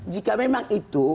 jika memang itu